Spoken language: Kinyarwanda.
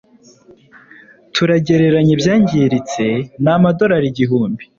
turagereranya ibyangiritse ni amadorari igihumbi